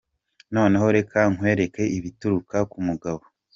Noneho, reka nkwereke ibituruka ku mugabo :.